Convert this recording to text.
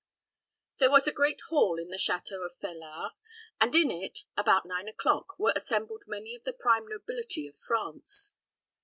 There was a great hall in the château of Felard, and in it, about nine o'clock, were assembled many of the prime nobility of France.